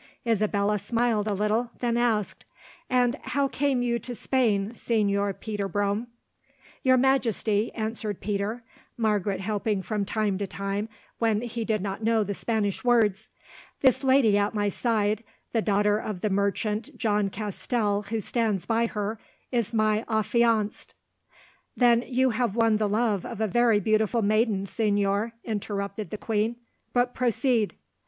Isabella smiled a little, then asked: "And how came you to Spain, Señor Peter Brome?" "Your Majesty," answered Peter, Margaret helping from time to time when he did not know the Spanish words, "this lady at my side, the daughter of the merchant John Castell who stands by her, is my affianced——" "Then you have won the love of a very beautiful maiden, Señor," interrupted the queen; "but proceed."